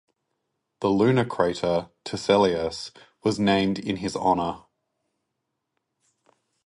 The lunar crater Tiselius was named in his honour.